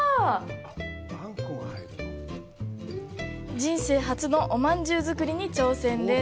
人生初のおまんじゅう作りに挑戦です。